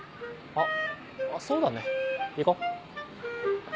あそうだね行こう。